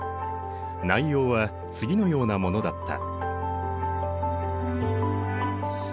内容は次のようなものだった。